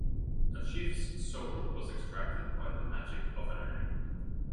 A chief's soul was extracted by the magic of an enemy.